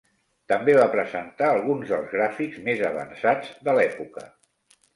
També va presentar alguns dels gràfics més avançats de l'època.